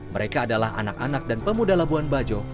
mereka adalah anak anak dan pemuda labuan bajo